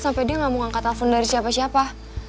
sampai dia gak mau ngangkat telepon dari siapa siapa